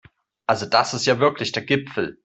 Also das ist ja wirklich der Gipfel!